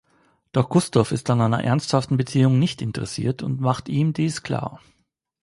Doch Gustav ist an einer ernsthaften Beziehung nicht interessiert und macht ihm dies klar.